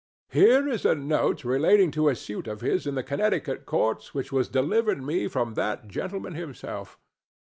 Here is a note relating to a suit of his in the Connecticut courts which was delivered me from that gentleman himself.